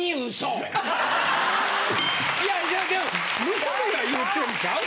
・いやでも娘が言うてんちゃう